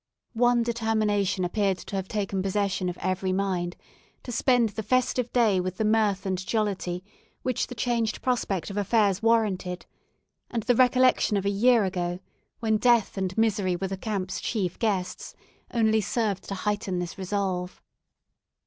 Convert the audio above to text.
One determination appeared to have taken possession of every mind to spend the festive day with the mirth and jollity which the changed prospect of affairs warranted; and the recollection of a year ago, when death and misery were the camp's chief guests, only served to heighten this resolve.